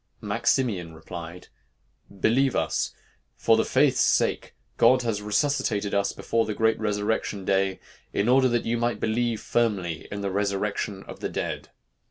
Maximian replied, 'Believe us! for the faith's sake, God has resuscitated us before the great resurrection day, in order that you may believe firmly in the resurrection of the dead.